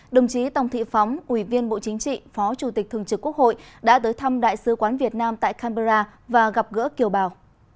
đồng chí tòng thị phóng ủy viên bộ chính trị phó chủ tịch thường trực quốc hội đã tới thăm đại sứ quán việt nam tại canberra và gặp gỡ kiều bào